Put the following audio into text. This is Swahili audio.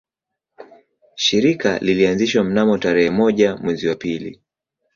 Shirika lilianzishwa mnamo tarehe moja mwezi wa pili